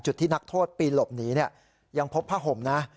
จุดที่นักโทษปีนหลบหนียังพบผ้าห่มนะ